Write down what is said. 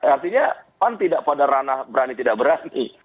artinya pan tidak pada ranah berani tidak berani